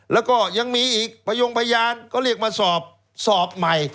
แล้วก็ยังมีอีกพยงพยานก็เรียกมาสอบสอบใหม่